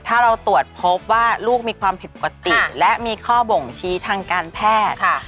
ถ้าเราตรวจพบว่าลูกมีความผิดปกติและมีข้อบ่งชี้ทางการแพทย์